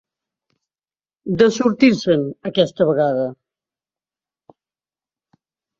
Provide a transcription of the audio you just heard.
De sortir-se'n, aquesta vegada.